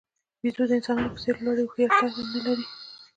بیزو د انسانانو په څېر لوړې هوښیارتیا نه لري.